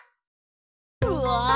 うわ